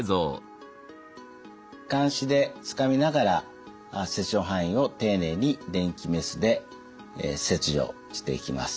かんしでつかみながら切除範囲を丁寧に電気メスで切除していきます。